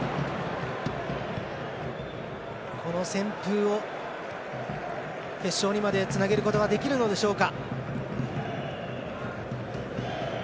この旋風を決勝にまでつなげることができるのでしょうか。